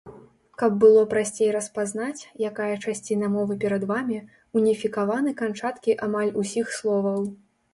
Каб было прасцей распазнаць, якая часціна мовы перад вамі, уніфікаваны канчаткі амаль усіх словаў.